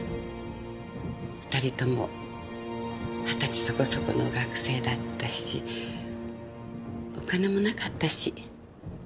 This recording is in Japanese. ２人とも二十歳そこそこの学生だったしお金もなかったし。